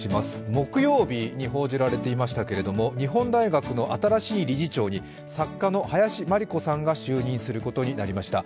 木曜日に報じられていましたけれども日本大学の新しい理事長に作家の林真理子さんが就任することになりました。